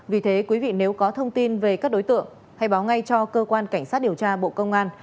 vì thế quý vị nếu có thông tin về các đối tượng hãy báo ngay cho cơ quan cảnh sát điều tra bộ công an